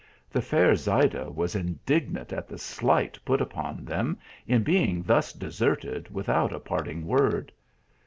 The fair Zaycla was indignant at the slight put upon them, in being thus deserted without a parting word.